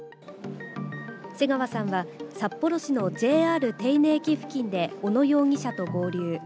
瀬川さんは札幌市のＪＲ手稲駅付近で小野容疑者と合流。